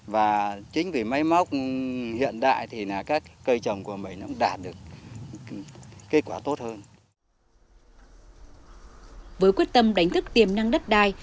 với quyết tâm đánh thức tiềm năng đất đai